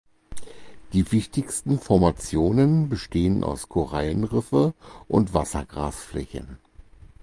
Die wichtigsten Formationen bestehen aus Korallenriffe und Wassergrasflächen.